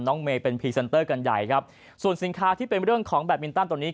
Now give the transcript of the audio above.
เมย์เป็นพรีเซนเตอร์กันใหญ่ครับส่วนสินค้าที่เป็นเรื่องของแบตมินตันตัวนี้